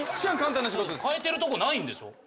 変えてるとこないんでしょ？